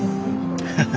ハハハッ。